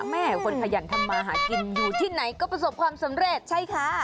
แม่คนขยันทำมาหากินอยู่ที่ไหนก็ประสบความสำเร็จใช่ค่ะ